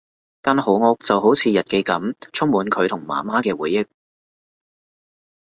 間好屋就好似日記噉，充滿佢同媽媽嘅回憶